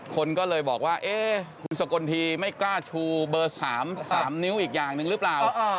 คนก็เลยบอกว่าเอ๊ะคุณสกลทีไม่กล้าชูเบอร์๓นิ้วอีกอย่างหนึ่งหรือเปล่า